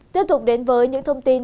tiếp tục đến với những thông tin